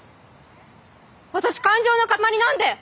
私感情の固まりなんで！